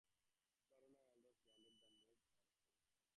Kaurna elders branded the move "hurtful".